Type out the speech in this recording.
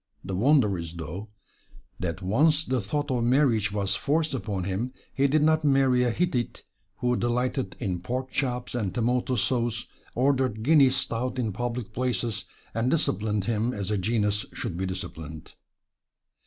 The wonder is, though, that once the thought of marriage was forced upon him, he did not marry a Hittite who delighted in pork chops and tomato sauce, ordered Guinness Stout in public places, and disciplined him as a genius should be disciplined.